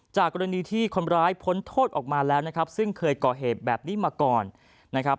กรณีที่คนร้ายพ้นโทษออกมาแล้วนะครับซึ่งเคยก่อเหตุแบบนี้มาก่อนนะครับ